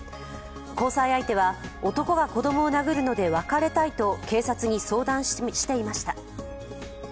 交際相手は、男が子供を殴るので別れたいと警察に相談していました。